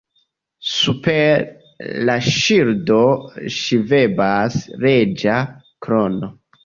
Super la ŝildo ŝvebas reĝa krono.